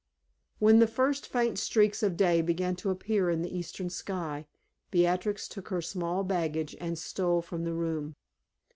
When the first faint streaks of day began to appear in the eastern sky, Beatrix took her small baggage and stole from the room.